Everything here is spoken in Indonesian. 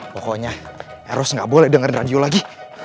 pokoknya eros nggak boleh denger radio lagi